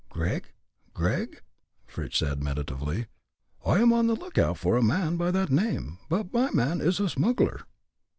"Gregg Gregg?" Fritz said, meditatively. "I am on the look out for a man by that name. But my man is a smuggler."